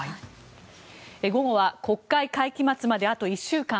午後は国会会期末まであと１週間。